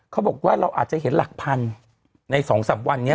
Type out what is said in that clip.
เขาบอกว่าเราอาจจะเห็นหลักพันธุ์ใน๒๓วันนี้